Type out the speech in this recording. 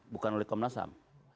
bukan oleh komnas ham